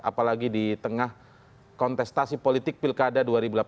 apalagi di tengah kontestasi politik pilkada dua ribu delapan belas